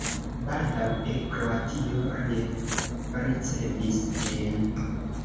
Baldaŭe Kroatio rericevis ĝin.